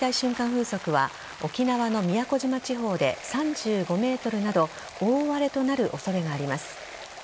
風速は沖縄の宮古島地方で３５メートルなど大荒れとなる恐れがあります。